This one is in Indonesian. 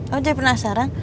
kamu jadi penasaran